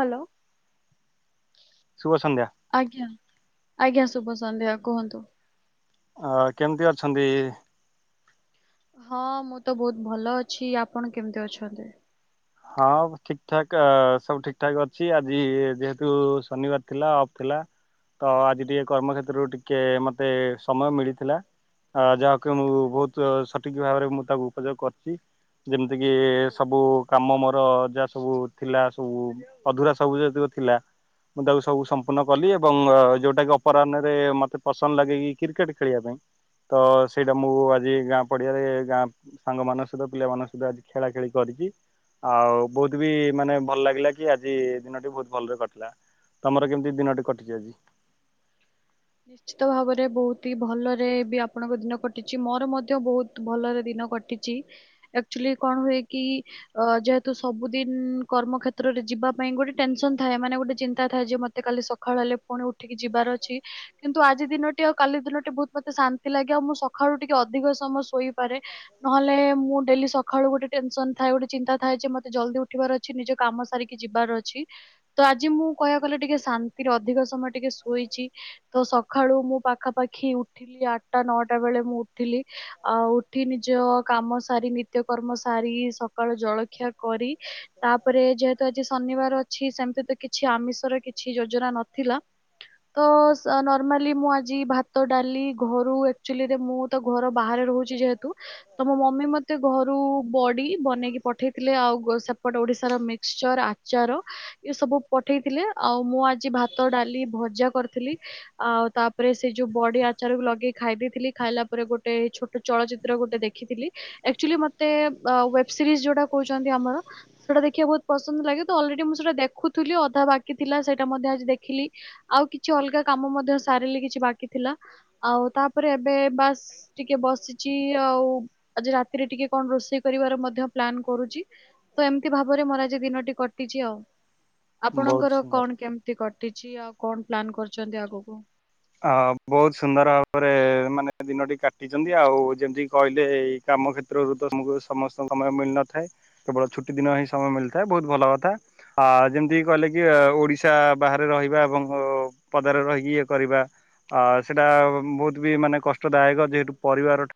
Hello ଶୁଭ ସନ୍ଧ୍ୟା। ଆଜ୍ଞା ଶୁଭ ସନ୍ଧ୍ୟା କୁହନ୍ତୁ? ଅ କେମିତି ଅଛନ୍ତି? ହଁ ମୁଁ ତ ବହୁତ ଭଲ ଅଛି ଆପଣ କେମିତି ଅଛନ୍ତି? ହଁ ଠିକ ଠାକ୍ ସବୁ ଠିକ ଠାକ୍ ଅଛି ଆଜି ଯେହେତୁ ଶନିବାର ଥିଲା ଅଫ୍ ଥିଲା। ତ ଆଜି ଟିକେ କର୍ମକ୍ଷତ୍ରରୁ ଟିକେ ମତେ ସମୟ ମିଳିଥିଲା। ଅ ଯାହାକି ମୁଁ ବହୁତ ସଠିକ୍ ଭାବରେ ମୁଁ ତାକୁ ଉପଯୋଗ କରିଛି। ଯେମିତି କିି ସବୁ କାମ ମୋର ଯାହା ସବୁ ଥିଲା ସବୁ ଅଧୁରା ସବୁ ଯେତିକ ଥିଲା ମୁଁ ତାକୁ ସବୁ ସମ୍ପୂର୍ଣ୍ଣ କଲି ଏବଂ ଯୋଉଟା କି ଅପରାହ୍ନରେ ମତେ ପସନ୍ଦ ଲାଗେ କିି କ୍ରିକେଟ୍ ଖେଳିବା ପାଇଁ ତ ସେଇଟା ମୁଁ ଆଜି ଗାଁ ପଡିଆାରେ ଗାଁ ସାଙ୍ଗମାନଙ୍କ ସହିତ ପିଲାମାନଙ୍କ ସହିତ ଆଜି ଖେଳା ଖେଳି କରିି ଆଉ ବହୁତ ବି ମାନେ ଭଲ ଲାଗିଲା କି ଆଜି ଦିନଟି ବହୁତ ଭଲରେ କଟିଲା। ତମର କେମିତି ଦିନଟି କଟିଛି ଆଜି? ନିଶ୍ଚିତ ଭାବରେ ବହୁତ ହି ଭଲରେ ବି ଆପଣଙ୍କ ଦିନ କଟିଛି ମୋର ମଧ୍ୟ ବହୁତ ଭଲରେ ଦିନ କଣ ହୁଏ କି ଯେହେତୁ ସବୁଦିନ କର୍ମ କ୍ଷେତ୍ରରେ ଯିବା ପାଇଁ ଗୋଟେ ଟେନସନ ଥାଏ ମାନେ ଗୋଟେ ଚିନ୍ତା ଥାଏ ଯେ ମତେ କାଲି ସକାଳ ହେଲେ ପୁଣି ଉଠିକି ଯିବାର ଅଛି କିନ୍ତୁ ଆଜି ଦିନଟି ଆଉ କାଲି ଦିନଟି ବହୁତ ମତେ ଶାନ୍ତି ଲାଗେ ଆଉ ମୁଁ ସକାଳୁ ଟିକେ ଅଧିକ ସମୟ ଶୋଇ ପା ପାରେ ନହେଲେ ମୁଁ ଡେଲି ସକାଳୁ ଗୋଟେ ଟେନସନ୍ ଥାଏ ଗୋଟେ ଚିନ୍ତା ଥାଏ ଯେ ମତେ ଜଲ୍ଦି ଉଠିବାର ଅଛି ନିଜ କାମ ସାରିକି ଯିବାର ଅଛି ତ ଆଜି ମୁଁ କହିବାକୁ ଗଲେ ଟିକେ ଶାନ୍ତିରେ ଅଧିକ ସମୟ ଟିକେ ଶୋଇଛି ତ ସକାଳୁ ମୁଁ ପାଖାପାଖି ଉଠିଲି ଆଟ୍ଟା ନଅଟା ବେଳେ ମୁଁ ଉଠିଲି। ଆ ଉଠି ନିଜ କାମ ସାରି ନିତ୍ୟକର୍ମ ସାରି ସକାଳ ଜଳଖି ଖିଆ କରି ତାପରେ ଯେହେତୁ ଆଜି ଶନିବାର ଅଛି ସେମିତି ତ କିଛି କିଛି ଆମିଷର କିଛି ଯୋଜନା ନଥିଲା ତ ମାମାଲି ମୁଁ ଆଜି ଭାତ ଡାଲି ଘରୁ ଏକ୍ଚୁୁଲି ରେ ମୁଁ ଘର ବାହାରେ ରହୁଛି ଯେହେତୁ ତ ମମି ମତେ ଘରୁ ବଡି ବନେଇକି ପଠେଇଥିଲେ ଆଉ ଆଉ- ଗୋ- ସେପଟ ଓଡ଼ିଶାର ମିକ୍ସଚର ଆଚାର ଏସବୁ ପଠେଇଥିଲେ ଆଉ ମୁଁ ଆଜି ଭାତ ଅ ଡାଲି ଭଜା କରିଥିଲି। ଆଉ ତାପରେ ସେ ଯୋଉ ବଡି ଆଚାରକୁ ଲଗେଇ ଖାଇ ଦେଇେଇଥିଲି ଖାଇଲା ପରେ ଗୋଟେ ଛୋଟ ଚଳଚିତ୍ର ଗୋଟେ ଦେଖି ଥିଲି ଆଚୁଆଲି ମୋତେ ୱେବ୍ ସିରିଜି ଯୋଉଟା କହୁଛନ୍ତି ଆମର ସେଟା ଦେଖିବାକୁ ବହୁତ ପସନ୍ଦ ଲାଗ ଅଲରେଡି ମୁଁ ସେଇଟା ଦେଖୁଥିଲି ଅଧା ବାକି ଥିଲା ସେଇଟା ମଧ୍ୟ ଆଜି ଦେଖିଲି ଆଉ କିଛି ଅଲଗା କାମ ମଧ୍ୟ ସାରିଲି କିଛି ବାକି ଥିଲା। ଆଉ ତାପରେ ଏବେ ବାସ୍ ଟିକେ ବସିଛି ଆଉ ଆଜି ରାତିରେ ଟିକେ କଣ ରୋଷେଇ କରିବାର ମଧ୍ୟ ପ୍ଲନ୍ କରୁଛି ତ ଏମିତି ଭାବରେ ମୋର ଆଜି ଦିନଟି କଟିଛି ଆଉ। ବହୁତ ଆପଣଙ୍କର ସୁନ୍ଦର। କଣ କେମିତି କଟିଛି ଆଉ କଣ ପ୍ଲାନ୍ କରଛନ୍ତି ଆଗକୁ ହ ବହୁତ ସୁନ୍ଦର ଭାବରେ ମାନେ ଦିନଟି କାଟିଛନ୍ତି ଆଉ ଯେମିତି କହିଲେ ଏଇ କାମ କ୍ଷେତ୍ରରୁ ତମକୁ ସମସ୍ତଙ୍କୁ ସମୟ ମିଳିନଥାଏ କେବଳ ଛୁଟି ଦିନ ହିଁ ସମୟ ମିଳିଥାଏ ବହୁତ ଭଲ କଥା। ଆ ଯେମିତି କହିଲେ କି ଓଡିଶା ବାହାରେ ରହିବା ଏବଂ ପଦାରେ ରହିକି ଇଏ କରିବା। ଆ ସେଇଟା ବହୁତୁ ବି ମାନେ କଷ୍ଟଦାୟକ ଯେହେତୁ ପରିବାର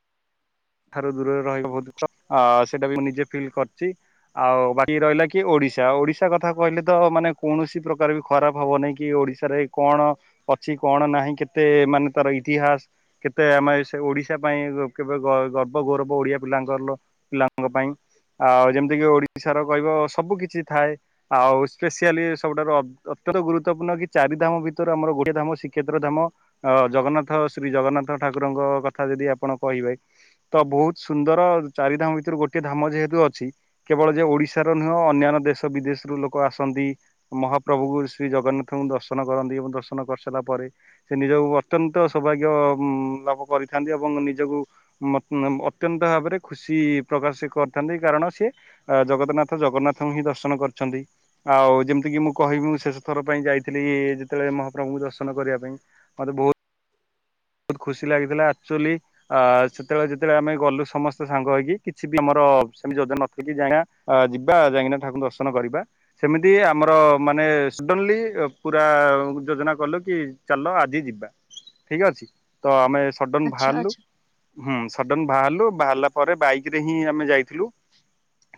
ଠାରୁ ଦୂରରେ ରହିବ ବହୁତ ସେଟା ବି ମୁଁ ନିଜେ ଫିଲ୍ କରିଛି। ଆଉ ବାକି ରହିଲା କି ଓଡିଶା ଓଡିଶା କଥା କହିଲେ ତ ମାନେ କୌଣସି ପ୍ରକାର ବି ଖରାପ ହବନାଇଁ କି ଓଡିଶାରେ କଣ ଅଛି କଣ ନାହିଁ କେତେ ମାନେ ତର ଇତିହାସ କେତେ ଆମେ ଓଡିଶା ପାଇଁ କେବେ ଗର୍ବ ଗୌରବ ଓଡିଆ ପିଲାଙ୍କର ପିଲାଙ୍କ ପାଇଁ ଆଉ ଯେମିତିକି ଓଡିଶାର କହିବ ସବୁ କିଛି ଥାଏ ଆଉ ସ୍ପେସିଆଲି ସବୁଠାରୁ ଅତ୍ୟନ୍ତ ଗୁରୁତ୍ୱପୂର୍ଣ୍ଣ କି ଚାରି ଧାମ ଭିତରେ ଆମର ଗୋଟଏ ଧାମ ଶ୍ରୀକ୍ଷେତ୍ର ଧାମ ଅ ଜଗନ୍ନାଥ ଶ୍ରୀ ଜଗନ୍ନାଥ ଠାକୁରଙ୍କ କଥା ଯଦି ଆପଣ କହିବେ ତ ବହୁତ ସୁନ୍ଦର ଚାରି ଧାମ ଭିତରୁ ଗୋଟିଏ ଧାମ ଯେହେତୁ ଅଛି କେବଳ ଯେ ଓଡିଶାର ନୁହଁ ଅନ୍ୟାନ୍ୟ ଦେଶ ବିଦେଶରୁୁ ଲୋକ ଆସନ୍ତି ମହାପ୍ରଭୁ ଶ୍ରୀ ଜଗନ୍ନାଥଙ୍କୁ ଦର୍ଶନ କରନ୍ତି ଏବଂ ଦର୍ଶନ କରିସାରିଲା ପରେ ପରେ ସେ ନିଜକୁ ଅତ୍ୟନ୍ତ ସୌଭାଗ୍ୟ ଲାଭ କରିଥାନ୍ତି ଏବଂ ନିଜକୁ ଅତ୍ୟନ୍ତ ଭାବରେ ଖୁସି ପ୍ରକାଶ କରିଥାନ୍ତି କାରଣ ସିଏ ଜଗତନାଥ ଜଗନ୍ନାଥଙ୍କ ହି ଦର୍ଶନ କରୁଛନ୍ତି। ଆଉ ଯେମିତି କିି ମୁଁ କହିବି ମୁଁ ଶେଷ ଥର ପାଇଁ ଯାଇଥିଲି ଯେତେବେଳେ ମହାପ୍ରଭୁଙ୍କୁ ଦର୍ଶନ କରିବା ପାଇଁ ମତେ ବହୁତ ବହୁତ ଖୁସି ଲାଗିଥିଲା ଆକ୍ଚୁଆଲି ସେତେବେଳେ ଯେତେବେଳେ ଆମେ ଗଲୁ ସମସ୍ତେ ସାଙ୍ଗ ହେଇକି କିଛି ବି ଆମର ସେମିତି ଯୋଜନାଥି ଯାଇା ଯିବା ଯାଇକିନା ଠାକୁଙ୍କୁ ଦର୍ଶନ କରିବା ସେମିତି ଆମର ମାନେ ମାନେ ସଡ଼ନଲି ପୁରା ଯୋଜନା କଲୁ କି ଚାଲ ଆଜି ଯିବା ଠିକ ଅଛି। ତ ଆମେ ସଡନ ଆଚ୍ଛା ବାହାରିଲୁ ଆଚ୍ଛା ହୁଁ। ସଡନ ବାହାରିଲୁ ବାହାରିଲା ପରେ ବାଇକି ରେ ହିଁ ଆମେ ଯାଇଥିଲୁ।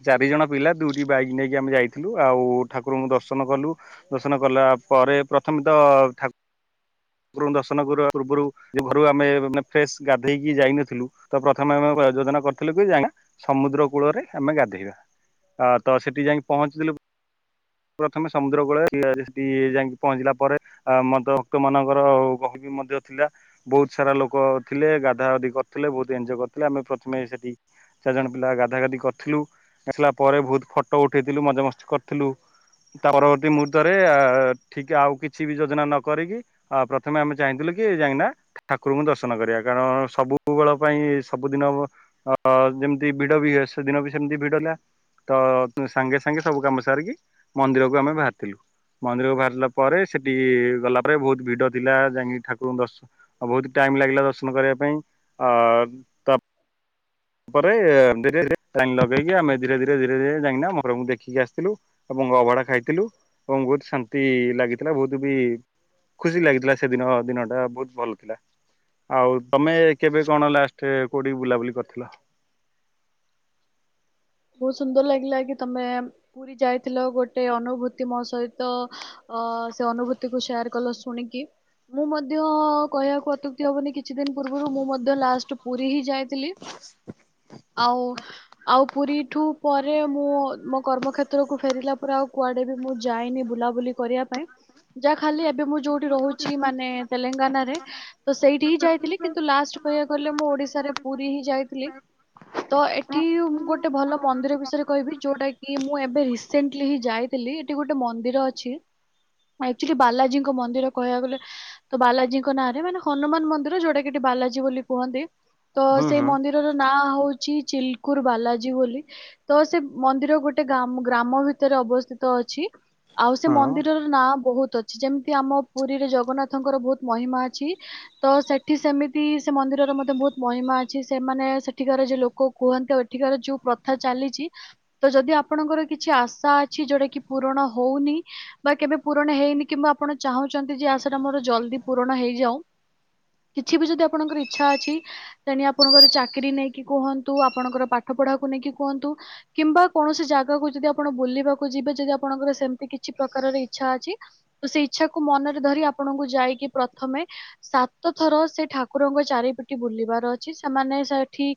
ଚାରି ଜଣ ପିଲା ଦୁଇଟି ବାଇକ ନେଇକି ଆମେ ଯାଇଥିଲୁ ଆଉ ଠାକୁରଙ୍କୁ ଦର୍ଶନ କଲୁ ଦର୍ଶନ କଲା ତାପରେ ପ୍ରଥମେ ତ ଠାକୁ ରଙ୍କୁ ଦର୍ଶନ କରିବା ପୂର୍ବରୁ ଘରୁ ଆମେ ମାନେ ଫ୍ରେଶ ଗାଧେଇକି ଯାଇନଥିଲୁ ତ ପ୍ରଥମେ ଆମେ ଯୋଜନା କରିଥିଲୁ କି ଯେ ଯାଇକିନ ସମୁଦ୍ର କୂଳରେ ଆମେ ଗାଧେଇବା। ଆ ତ ସେଠି ଯାଇକି ପହଞ୍ଚିଥିଲୁ। ପ୍ରଥମେ ସମୁଦ୍ର କୂଳରେ ସେଠି ଯାଇକି ପହଞ୍ଚିଲା ପରେ ମଦ ଭକ୍ତ ମାନଙ୍କ ର ଗହଳି ମଧ୍ୟ ଥିଲା ବହୁତ ସାରା ଲୋକ ଥିଲେ ଗାଧା ଗଧି କରିଥିଲେ ବହୁତ ଏନଜୟ କରିଥିଲେ ଆମେ ପ୍ରଥମେ ସେଠି ଚାରିଜଣ ପିଲା ଗାଧା ଗାଧି କରିଥିଲୁ ଆସିଲା ପରେ ବହୁତ ଫଟୋ ଉଠେଇଥିଲୁ ମଜ ମସ୍ କରିଥିଲୁ ତା ପରବର୍ତ୍ତୀ ମୁହୂର୍ତ୍ତରେ ଠିକ ଆଉ କିଛି ବି ଯୋଜନା ନ କରିକି। ଆ ପ୍ରଥମେ ଆମେ ଚାହିଁଥିଲୁ କି ଯାଇକିନା ଠାକୁରଙ୍କୁ ଦର୍ଶନ କରିବା କାରଣ ସବୁବେଳ ପାଇଁ ସବୁଦିନ [inaudible] ଯେମିତି ଭିଡ ବି ହୁଏ ସେଦିନ ବି ସେମିତି ଭିଡ ହେଲା। ତ ସାଙ୍ଗେ ସାଙ୍ଗେ ସବୁ କାମ ସାରିକି ମନ୍ଦିରକୁ ଆମେ ବାହାରିଥିଲୁ। ମନ୍ଦିରକୁ ବାହାରିଲା ପରେ ସେଠି ଗଲା ପରେ ବହୁତ ଭିଡ଼ ଥିଲା ଯାଇକି ଠାକୁରଙ୍କୁ ଦର୍ଶନ ବହୁତ ଟାଇମ୍ ଲାଗିଲା ଦର୍ଶନ କରିବା ପାଇଁ ଆ ତ ତାପରେ ଧୀରେ ଧୀରେ ଲାଇନି ଲଗେଇକି ଆମେ ଧୀରେ ଧୀରେ ଧୀରେ ଧୀରେ ଯାଇକିନା ଦେଖିକି ଆସିଥିଲୁ। ଏବଂ ଅଭଢା ଖାଇଥିଲୁ ଏବଂ ବହୁତ ଶାନ୍ତି ଲାଗିଥିଲା ବହୁତ ବି ଖୁସି ଲାଗିଥିଲା ସେଦିନ ଦିନ ଟା ବହୁତୁ ଭଲ ଥିଲା। ଆଉ ତମେ କେବେ କଣ ଲାଷ୍ଟ କୋଉଠି ବୁଲାବୁଲି କରି ଥିଲା। ବହୁତୁ ସୁନ୍ଦର ଲାଗିଲା କି ତମେ ପୁରୀ ଯାଇଥିଲ ଗୋଟେ ଅନୁଭୂତି ମୋ ସହିତ ଓ ସେ ଅନୁଭୂତି କୁ ସେୟାର୍ କଲ ଶୁଣିକି। ମୁଁ ମଧ୍ୟ କହିବାକୁ ଅତ୍ୟୁକ୍ତି ହବନି କିଛି ଦିନ ପୂର୍ ବୁରୁ ମୁଁ ମଧ୍ୟ ଲାଷ୍ଟ ପୁରୀ ହିଁ ଯାଇଥିଲି। ଆଉ ଆଉ ପୁରୀଠୁ ପରେ ମୁଁ ମୋ କର୍ମକ୍ଷେତ୍ରକୁ ଫେରିଲା ପରେ ଆଉ କୁଆଡ଼େ ବି ମୁଁ ଯାଇନି ବୁଲାବୁଲି କରିବା ପାଇଁ। ଯାହା ଖାଲି ଏବେ ମୁଁ ଯୋଉଠି ରହୁଛି ମାନେ ତେଲେଙ୍ଗାନାରେ ତ ସେଇଠି ହିଁ ଯାଇ ଥିଲି, କିନ୍ତୁ ଲାଷ୍ଟ କହିବାକୁ ଗଲେ ମୁଁ ଓଡିଶାରେ ପୁରୀ ହିଁ ଯାଇଥିଲି। ତ ଏଠି ଗୋଟେ ଭଲ ମନ୍ଦିର ବିଷୟରେ କହିବି ଯୋଉଟା କି ମୁଁ ଏବେ ରିସେଣ୍ଟଲି ହିଁ ଯାଇଥିଲି। ଏଠି ଗୋଟେ ମ ମନ୍ଦିର ଅଛି। ହଁ ଏକ୍ଚୁଲି ବାଲାଜୀଙ୍କ ମନ୍ଦିର କହିବାକୁ ଗଲେ ତ ବାଲାଜୀଙ୍କ ନାଁରେ ମାନେ ହନୁମାନ ମନ୍ଦିର ଯୋଉଟା କି ବାଲାଜୀ ବୋଲି କୁହନ୍ତି। ତ ହୁଁ ସେଇ ହୁଁ ମନ୍ଦିରର ନାଁ ହଉଚି ଚିଲକୁରୁ ବାଲା ଜୀ ବୋଲି ତ ସେ ମନ୍ଦିର ଗୋଟେ ଗାମ ଗ୍ରାମ ଭିତରେ ଅବସ୍ଥିତ ଅଛି। ଆଉ ସେ ହଁ ମନ୍ଦିର ର ନାଁ ବହୁ ତ ଅଛି, ଯେମିତି ଆମ ପୁରୀରେ ଜଗନ୍ନାଥଙ୍କର ବହୁତ ମହିମା ଅଛି ତ ସେଠି ସେମିତି ସେ ମନ୍ ନ୍ଦିରର ମଧ୍ୟ ବହୁତ ମହିମା ଅଛି ସେମାନେ ସେଠିକାର ଯୋ ଲୋକ କୁହନ୍ତି ଆଉ ଏଠିକାର ଯୋଉ ପ୍ରଥା ଚାଲିଚି। ତ ଯଦି ଆପଣଙ୍କର କିଛି ଆଶା ଅଛି ଯୋଉଟା କି ପୂରଣ ହଉନି ବା କେବେ ପୂରଣ ହେଇନି କିମ୍ବା ଆପଣ ଚାହୁଁଚନ୍ତି ଯେ ଆଶାଟା ମୋର ଜଲଦି ପୂରଣ ହେଇଯାଉଁ। କିଛି ବି ଯଦି ଆପଣଙ୍କର ଇଚ୍ଛା ଅଛି ତେଣି ଆପଣଙ୍କର ଚାକିରି ନେଇକି କୁହନ୍ତୁ। ଆପଣଙ୍କର ପାଠ ପଢା ନେଇକି କୁହନ୍ତୁ। କିମ୍ବା କୌଣସି ଜାଗାକୁ ଯଦି ଆପଣ ବୁଲିବାକୁ ଯିବେ ଯଦି ଆପଣଙ୍କର ସେମିତି କିଛି ପ୍ରକାର ରର ଇଚ୍ଛା ଅଛି ତ ସେ ଇଚ୍ଛାକୁ ମନରେ ଧରି ଆପଣଙ୍କୁ ଯାଇକି ପ୍ରଥମେ ସାତ ଥର ତ ସେ ଠାକୁରଙ୍କ ଚାରିପିଟି ବୁଲିବାର ଅଛି ସେମାନେ ସେଠି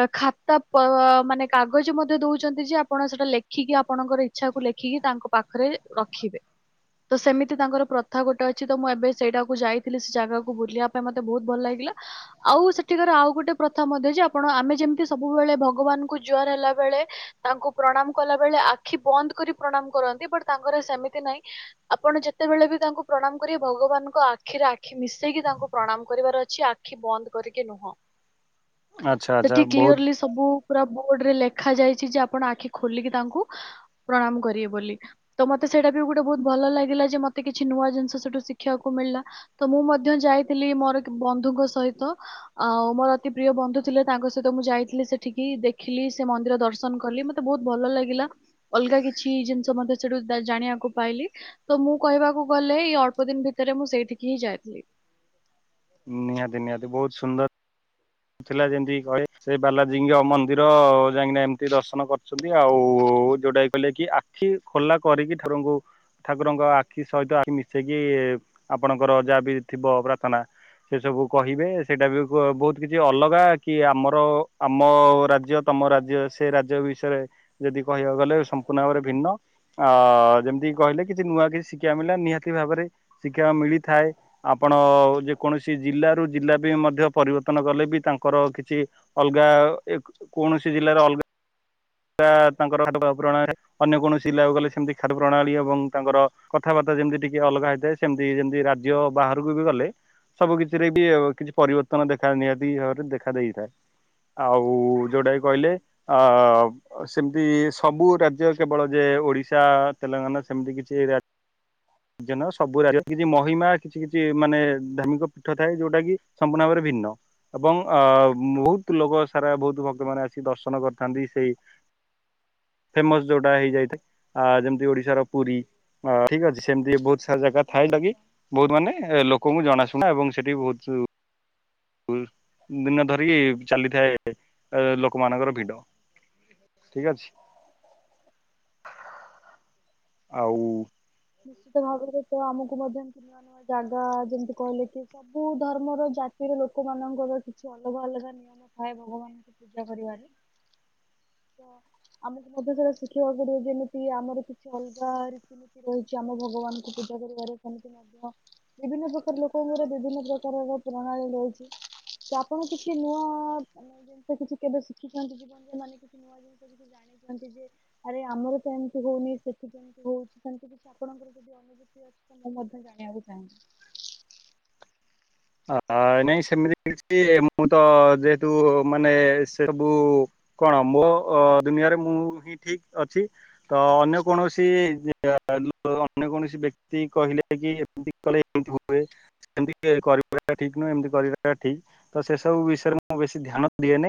ଏ ଖାତା ପ ମାନେ କାଗଜ ମଧ୍ୟ ଦଉଚନ୍ତି ଯେ ଆପଣ ସେଟା ଲେଖିକି ଆପଣଙ୍କର ଇଚ୍ଛାକୁ ଲେଖିକି ତାଙ୍କ ପାଖରେ ରଖି ଖିବେ। ତ ସେମିତି ତାଙ୍କର ପ୍ରଥା ଗୋଟେ ଅଛି ତ ମୁଁ ଏବେ ସେଇଟା କୁ ଯାଇଥିଲି ସେ ଜାଗାକୁ ବୁଲିବା ପାଇଁ ମୋତେ ବହୁତ ଭଲ ଲାଗେ। ଗିଲା, ଆଉ ସେଠିକାର ଆଉ ଗୋଟେ ପ୍ରଥା ମଧ୍ୟ ଯେ ଆପଣ ଆମେ ଯେମିତି ସବୁବେଳେ ଭଗବାନଙ୍କୁ ଜୁହାର ହେଲା ବେଳେ, ତାଙ୍କୁ ପ୍ରଣାମ କଲା ବଳେ ଆଖି ବନ୍ଦ କରି ପ୍ରଣାମ କରନ୍ତି ବଟ୍ ତାଙ୍କର ସେମିତି ନାଇଁ ଆପଣ ଯେତେବେଳେ ବି ତାଙ୍କୁ ପ୍ରଣାମ କରିବେ ଭଗବାନଙ୍କ ଆଖିରେ ଆଖି ମିଶେଇକି ତାଙ୍କୁ ପ୍ରଣାମ କରି ବାର ଆଖି ବନ୍ଦ କରିକି ନୁହଁ। ଆଚ୍ଛା ଆଚ୍ଛା ସେଠି ବହୁତ କ୍ଲିୟରଲି ସବୁ ବୋର୍ଡ ରେ ଲେଖା ଯାଇଛି ଯେ ଆପଣ ଆଖି ଖୋଲିକି ତାଙ୍କୁ ପ୍ରଣାମ କରିବେ ବୋଲି। ତ ମୋତେ ସେଇଟା [unintelligible] ଗୋଟେ ବହୁତ ଭଲ ଲାଗିଲା ଯେ ମତେ କିଛି ନୂଆ ଜିନିଷ ସେଠୁ ଶିଖିବାକୁ ମିଳିଲା। ତ ମୁଁ ମଧ୍ୟ ଯାଇଥିଲି ମୋ ମୋର ଏକ ବନ୍ଧୁଙ୍କ ସହିତ। ଆଉ ମୋର ଅତି ପ୍ରିୟ ବନ୍ଧୁ ଥିଲେ ତାଙ୍କ ସହିତ ମୁଁ ଯାଇଥିଲି ସେଠିକି। ଦେ ଖିଲି, ସେ ମନ୍ଦିର ଦର୍ଶନ କଲି। ମୋତେ ବହୁତ ଭଲ ଲାଗିଲା। ଅଲଗା କିଛି ଜିନିଷ ମଧ୍ୟ ସେଠୁ ଦା-ଜାଣିବା କୁ ପାଇଲି। ତ ମୁଁ କହିବାକୁ ଗଲେ ଏଇ ଅଳ୍ପ ଦିନ ଭିତରେ ମୁଁ ସେଇଠିକି ହିଁ ଯାଇଥିଲି। ନିହାତି ନିହାତି ବହୁତୁ ସୁନ୍ଦର ଥିଲା ଯେମିତି କହେ ସେ ବାଲାଜୀଙ୍କ ମନ୍ଦିର ଯାଇକିନା ଏମିତି ଦର୍ଶନ କରିଛନ୍ତି। ଆଉ ଓ ଯୋଉଟା କହିଲେ କି ଆଖି ଖୋଲା କରିକି ଠାକୁରଙ୍କୁ ଠାକୁରଙ୍କ ଆଖି ସହିତ ଆଖି ମିଶେଇକି ଆପଣଙ୍କର ଯାହା ବି ଥିବ ପ୍ରାର୍ଥନା ସେ ସବୁ କହିବେ। ସେଇଟା ବି କୋ ବହୁତ କିଛି ଅଲଗା କି ଆମର ଆମ ରାଜ୍ୟ ତମ ରାଜ୍ୟ ସେ ରାଜ୍ୟ ବିଷୟରେ ଯଦି କହିବାକୁ ଗଲେ ସମ୍ପୂର୍ଣ୍ଣ ଭାବରେ ଭିନ୍ନ ଅ ଯେମିତି କହିଲେ କିଛି ନୂଆ କିଛି ଶିକ୍ଷା ମିଳିଲା ନିହାତି ଭାବରେ ଶିକ୍ଷା ମିଳିଥାଏ ଆପଣ ଯେ କୌଣସି ଜିଲ୍ଲାରୁ ଜିଲ୍ଲା ବି ମଧ୍ୟ ପରିବର୍ତ୍ତନ କଲେ ବି ତାଙ୍କର କିଛି ଅଲଗା କୌଣସି ଜିଲ୍ଲାରେ ଅଲଗା ତାଙ୍କର [unintelligible] ଖ ପ୍ରଣାଳୀ ଅନ୍ୟ କୌଣସି ଜିଲ୍ଲା କୁ ଗଲେ ସେମିତି ଖାଦ୍ୟ ପ୍ରଣାଳୀ ଏବଂ ତାଙ୍କର କଥାବାର୍ତ୍ତା ଯେମିତି ଟିକେ ଅଲଗା ହେଇଥାଏ ସେମିତି ଯେମିତି ରାଜ୍ୟ ବାହାରକୁ ବି ଗଲେ ସବୁ କିଛିରେ ବି କିଛି ପରିବର୍ତ୍ତନ ଦେଖା ନିହାତି ଭାବରେ ଦେଖା ଦେଇଥାଏ। ଆଉ ଯୋଉଟା କି କହିଲେ ଅ ସେମିତି ସବୁ ରାଜ୍ୟ କେବଳ ଯେ ଓଡ଼ିଶା ତେଲେଙ୍ଗାନା ସେମିତି କିଛି ରା [unintelligible] ଭିନ୍ନ ଏବଂ ଅ ବହୁତ ଲୋକ ସାରା ବହୁତ ଭକ୍ତମାନେ ଆସିକି ଦର୍ଶନ କରିଥାନ୍ତି ସେଇ [inaudible] ଫେମସ ଯୋଉଟା ହେଇଯାଇଥାଏ ଆ ଯେମିତି ଓଡିଶାର ପୁରୀ ଅ ଠିକ ଅଛି ସେମିତି ବହୁତ ସ ଜାଗା ଥାଏ ନିଶ୍ଚିତ ଲାଗି ନିଶ୍ଚିତ ବହୁତ ମାନେ ଲୋକଙ୍କୁ ଜଣାଶୁଣା ଏବଂ ସେଠି ବହୁତ ବହୁ ଦିନ ଧରିକି ଚାଲିଥାଏ ଲୋକମାନଙ୍କର ଭିଡ ଠିକ ଅଛି ଆଉ ନିଶ୍ଚିତ ଭାବରେ ତ ଆମକୁ ମଧ୍ୟ ନୂଆ ନୂଆ ଜାଗା ଯେମିତି କହିଲେ କି ସବୁ ଧର୍ମର ଯାଟ ସ୍ତ୍ରୀ ଲୋକମାନଙ୍କର କିଛି ଅଲଗା ଅଲଗା ନିୟମ ଥାଏ ଭଗବାନଙ୍କୁ ପୂଜା କରିବାରେ [inaudible] ତ ଆମକୁ ମଧ୍ୟ ସେଗୁରା ଶିଖିବାକୁ ପଡିବ ଯେମିତି ଆମର କିଛି ଅଲଗା ରୀତି ନିତି ରହିଛି ଆମ ଭଗବାନଙ୍କୁ ପୂଜା କରିବାରେ ସେମିତି ମଧ୍ୟ ବିଭିନ୍ନ ପ୍ରକାର ଲୋକଙ୍କର ବିଭିନ୍ନ ପ୍ରକାର ପ୍ରଣାଳୀ ରହିଛି ତ ଆପଣ କିଛି ନୂଆ ମନେ ଜିନିଷ କିଛି କେବେ ଶିଖିଛନ୍ତି ଜୀବନରେ ମାନେ କିଛି ନୂଆ ଜିନିଷ କିଛି ଜାଣି [unintelligible] ଆରେ ଆମର ତ ଏମିତି ହଉନି ସେଠି କେମିତି ହଉଛି ସେମିତି କିଛି ଆପଣଙ୍କର ଯଦି ଅନୁଭୂତି ଅଛି ତ ଆମେ ମଧ୍ୟ ଜାଣିବାକୁ ଚାହିବୁ ଆ ନାଇଁ ସେମିତି କିଛି ମୁଁ ତ ଯେହେତୁ ମାନେ ସେ ସବୁ କଣ ମୋ ଅ ଦୁନିଆରେ ମୁଁ ହିଁ ଠିକ ଅଛି ତ ଅନ୍ୟ କୌଣସି [unintelligible] [unintelligible] କରିବା ଠିକ୍ ନୁହେଁ ଏମତି କରିବାଟା ଠିକ ତ ସେସବୁ ବିଷୟରେ ମୁଁ ବେଶୀ ଧ୍ୟାନ ଦିଏ ନାହିଁ